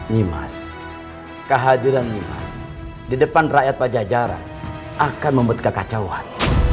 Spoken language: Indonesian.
nimas kehadiran nyimas di depan rakyat pajajaran akan membuat kekacauan